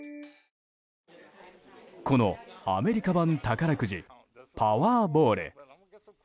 このアメリカ版宝くじパワーボール。